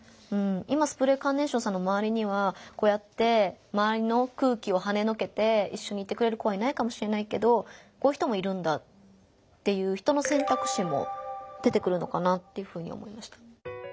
今スプレーカーネーションさんのまわりにはこうやってまわりの空気をはねのけていっしょにいてくれる子はいないかもしれないけどこういう人もいるんだっていうのかなっていうふうに思いました。